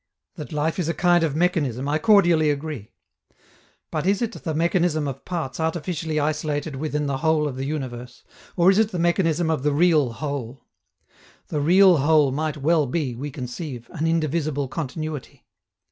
That life is a kind of mechanism I cordially agree. But is it the mechanism of parts artificially isolated within the whole of the universe, or is it the mechanism of the real whole? The real whole might well be, we conceive, an indivisible continuity.